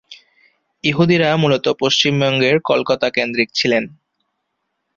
ইহুদিরা মূলত পশ্চিমবঙ্গের কলকাতা কেন্দ্রিক ছিলেন।